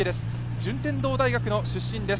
順天堂大の出身です。